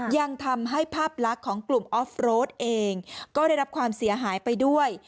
ยังทำให้ภาพลักษณ์ของกลุ่มออฟโรดเองก็ได้รับความเสียหายไปด้วย